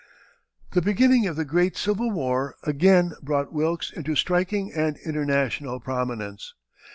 The beginning of the great civil war again brought Wilkes into striking and international prominence.